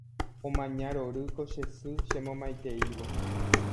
Omaña rorýko che sy chemomaiteívo